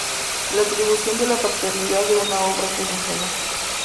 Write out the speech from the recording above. la atribución de la paternidad de una obra que es ajena